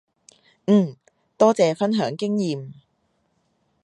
嗯，多謝分享經驗